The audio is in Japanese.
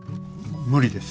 無理です。